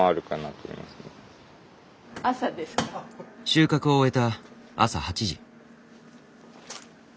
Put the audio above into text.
収穫を終えた朝８時。